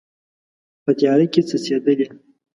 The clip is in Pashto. په تیاره کې څڅیدلې